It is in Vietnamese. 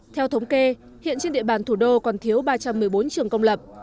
theo thống kê hiện trên địa bàn thủ đô còn thiếu ba trăm một mươi bốn trường công lập